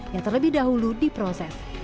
yang terlebih dahulu diproses